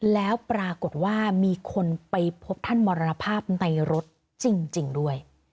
แล้วปรากฏว่ามีคนไปพบท่านมรณภาพในรถจริงด้วย